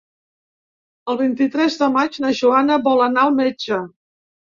El vint-i-tres de maig na Joana vol anar al metge.